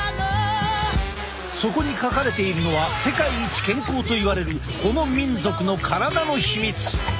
そこに書かれているのは世界一健康といわれるこの民族の体のヒミツ。